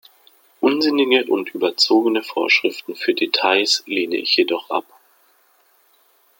Unsinnige und überzogene Vorschriften für Details lehne ich jedoch ab.